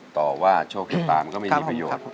ต่อว่าโชคชะตามันก็ไม่มีประโยชน์